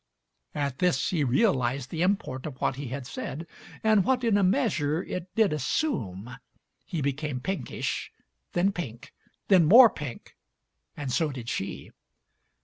At this he realized the import of what he had said and what, in a measure, it did assume. He became pinkish, then pink, then more pink; and so did she.